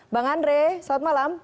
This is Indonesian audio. bang andre selamat malam